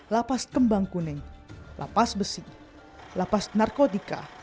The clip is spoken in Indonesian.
lapas kembang kuning lapas besi lapas narkotika